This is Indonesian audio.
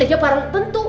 iya para tentu